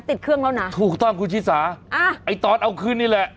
ติดเครื่องแล้วนะถูกต้องคุณชิสาอ่าไอ้ตอนเอาขึ้นนี่แหละ